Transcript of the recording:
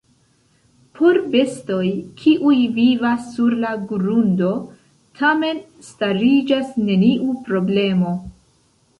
Por bestoj, kiuj vivas sur la grundo, tamen stariĝas neniu problemo.